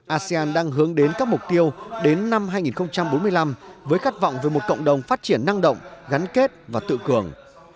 asean đang hướng đến các mục tiêu đến năm hai nghìn bốn mươi năm với khát vọng về một cộng đồng phát triển năng động gắn kết và tự cường